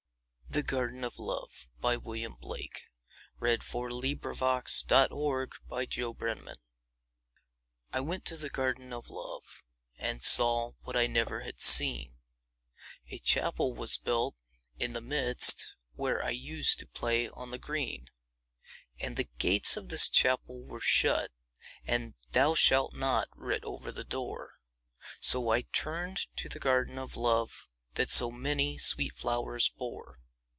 love delight, Nor a thorn nor a threat stain her beauty bright. THE GARDEN OF LOVE I went to the Garden of Love, And saw what I never had seen; A Chapel was built in the midst, Where I used to play on the green. And the gates of this Chapel were shut, And 'Thou shalt not' writ over the door; So I turned to the Garden of Love That so many sweet flowers bore.